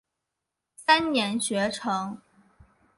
三年学成。